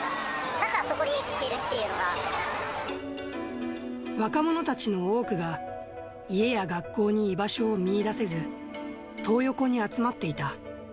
だから、そこに来ているっていう若者たちの多くが、家や学校に居場所を見いだせず、トー横に集まっていた。